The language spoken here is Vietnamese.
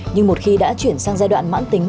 nhưng một khi đã chuyển sang giai đoạn mãn tính